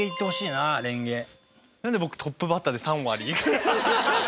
なんで僕トップバッターで３割。